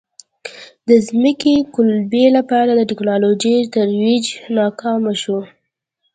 د ځمکې د قُلبې لپاره د ټکنالوژۍ ترویج ناکام شو.